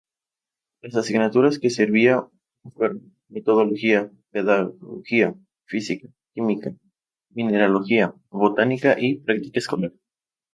Las asignaturas que servía fueron: Metodología, Pedagogía, Física, Química, Mineralogía, Botánica y Práctica escolar.